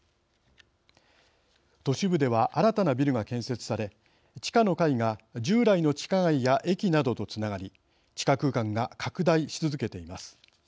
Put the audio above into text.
都市部では新たなビルが建設され地下の階が従来の地下街や駅などとつながり地下空間が拡大し続けています。